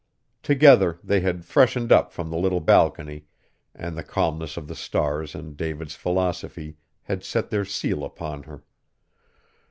Together they had "freshened up" from the little balcony, and the calmness of the stars and David's philosophy had set their seal upon her.